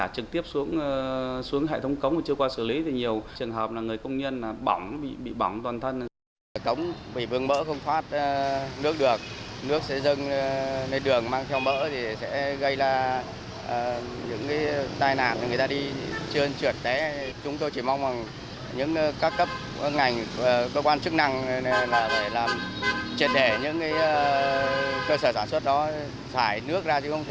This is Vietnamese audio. cơ sở sản xuất đó xảy nước ra chứ không thể xảy mỡ như vậy được